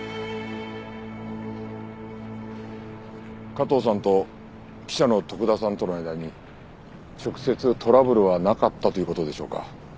加藤さんと記者の徳田さんとの間に直接トラブルはなかったという事でしょうか？